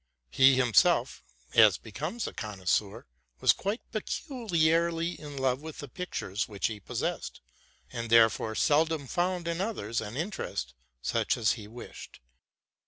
He himself, aus becomes a connoisseur, was quite peculiarly in love with the pictures which he possessed, and therefore seldom found in others an interest such as he wished.